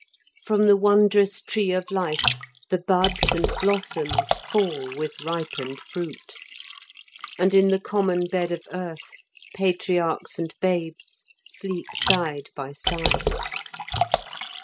From the wondrous tree of life the buds and blossoms fall with ripened fruit, and in the common bed of earth patriarchs and babes sleep side by side.